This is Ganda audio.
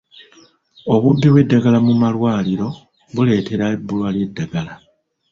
Obubbi bw'eddagala mu malwaliro buleetera ebbula ly'eddagala.